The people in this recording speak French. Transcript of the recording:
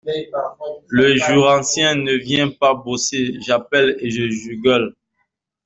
Le Jurassien ne vient pas bosser, j’appelle et je gueule.